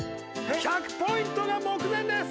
１００ポイントが目前です！